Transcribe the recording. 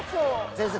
先生